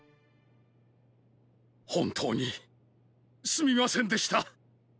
ほんとうにすみませんでした。